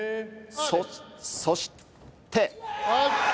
そして。